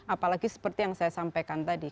apalagi seperti yang saya sampaikan tadi